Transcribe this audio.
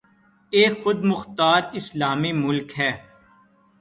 ایک خود مختار اسلامی ملک ہے